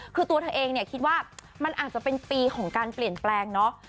คือตัวเธอเองเนี่ยคิดว่ามันอาจจะเป็นปีของการเปลี่ยนแปลงเนาะ